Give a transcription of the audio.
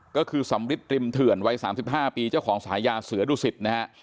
ก็คือสำริตริมเถื่อนวัยสามสิบห้าปีเจ้าของสหายาเสือดุสิตนะฮะ